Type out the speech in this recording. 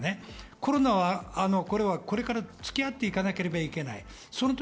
コロナはこれからつき合っていかなければいけない。